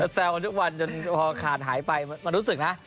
แซวกันทุกวันจนพอขาดหายไปมันรู้สึกนะ